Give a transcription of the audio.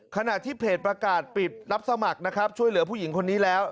ขณะที่เพจประกาศปิดรับสมัครนะครับช่วยเหลือผู้หญิงคนนี้แล้ว